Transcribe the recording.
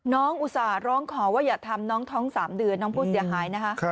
อุตส่าห์ร้องขอว่าอย่าทำน้องท้อง๓เดือนน้องผู้เสียหายนะคะ